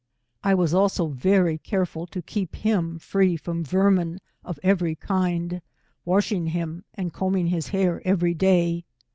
I was also very careful to keep him free from vermin of every kind, washing him and combing his hair every day.